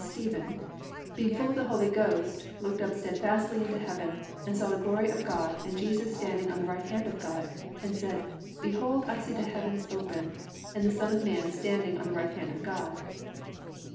Stephen), +being full of the Holy Ghost, looked up steadfastly into heaven, and saw the glory of God, and Jesus standing on the right hand of God, and said, Behold, I see the heavens open, and the Son of man standing on the right hand of God."